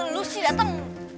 lu si dateng